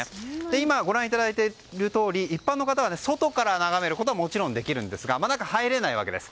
今、ご覧いただいているとおり一般の方は外から眺めることはもちろんできるんですが中には入れないわけです。